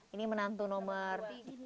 ini menantu nomor dua